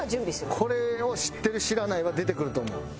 これを知ってる知らないは出てくると思う。